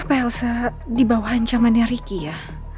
pak elsa di bawah ancamannya ricky ya